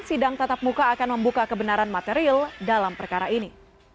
sidang tatap muka akan membuka kebenaran material dalam perkara ini